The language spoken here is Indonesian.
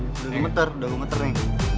udah gue meter udah gue meter nih